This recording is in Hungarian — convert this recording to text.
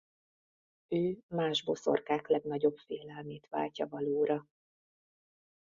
Ő más boszorkák legnagyobb félelmét váltja valóra.